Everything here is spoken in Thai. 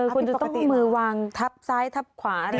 คุณจะต้องมือวางทับซ้ายทับขวาอะไร